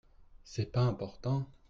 C’est pas important.